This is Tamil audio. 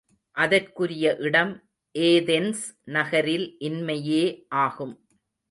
அதற்குரிய இடம் ஏதென்ஸ் நகரில் இன்மையே ஆகும்.